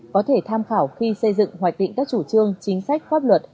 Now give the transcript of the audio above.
có thể tham khảo khi xây dựng hoạch định các chủ trương chính sách pháp luật